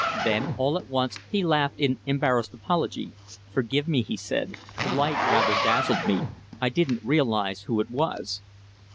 Then all at once he laughed in embarrassed apology. "Forgive me," he said. "The light rather dazzled me. I didn't realize who it was."